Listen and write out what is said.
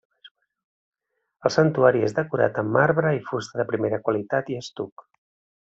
El santuari és decorat amb marbre i fusta de primera qualitat i estuc.